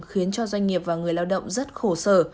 khiến cho doanh nghiệp và người lao động rất khổ sở